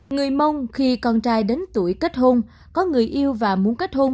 người mông khi con trai đến tuổi kết hôn có người yêu và muốn kết hôn